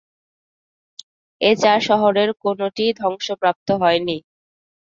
এ চার শহরের কোনটিই ধ্বংসপ্রাপ্ত হয়নি।